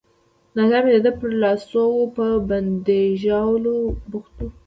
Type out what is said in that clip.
نظر مې د ده پر لاسو وو، په بنداژولو بوخت وو.